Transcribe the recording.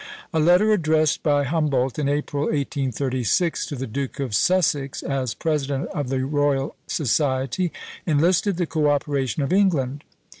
A letter addressed by Humboldt in April, 1836, to the Duke of Sussex as President of the Royal Society, enlisted the co operation of England.